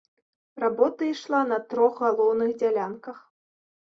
Работа ішла на трох галоўных дзялянках.